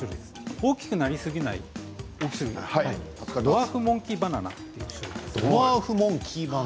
大きくなりすぎないドワーフモンキーバナナという種類です。